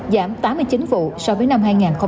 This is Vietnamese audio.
giảm tám mươi chín vụ so với năm hai nghìn hai mươi